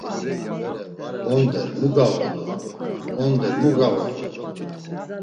Onder mu gağodu, Onder mu gağodu?